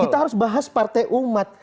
kita harus bahas partai umat